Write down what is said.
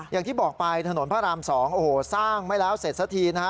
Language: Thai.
อย่างที่บอกไปถนนพระราม๒โอ้โหสร้างไม่แล้วเสร็จสักทีนะฮะ